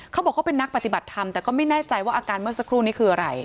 เขาบอกเขาเป็นนักปฏิบัติธรรมแต่ก็ไม่แน่ใจว่าอาการเมื่อสักครู่นี้คืออะไร